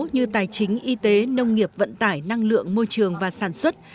như tài chính y tế nông nghiệp vận tải năng lượng môi trường và sản xuất